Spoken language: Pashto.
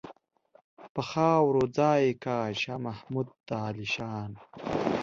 په خاورو ځای کا شاه محمود د عالیشان.